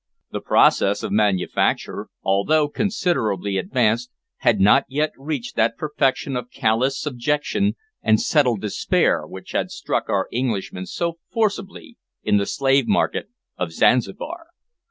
The process of manufacture, although considerably advanced, had not yet reached that perfection of callous subjection and settled despair which had struck our Englishmen so forcibly in the slave market of Zanzibar.